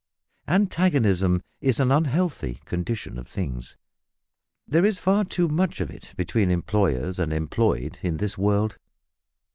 Antagonism is an unhealthy condition of things. There is far too much of it between employers and employed in this world.